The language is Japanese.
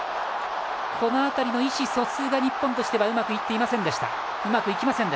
この辺りの意思疎通が日本としてはうまくいきませんでした。